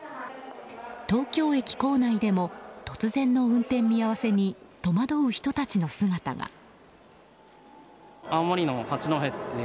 東京駅構内でも突然の運転見合わせに戸惑う人たちの姿が。